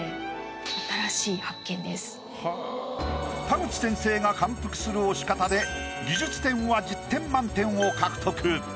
田口先生が感服する押し方で技術点は１０点満点を獲得。